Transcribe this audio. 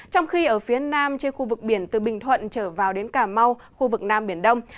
trong khi ở phía nam trên khu vực biển từ bình thuận trở vào đến cà mau khu vực nam biển đông